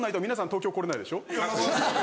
東京来れないでしょ？